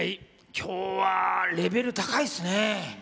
今日はレベル高いですね！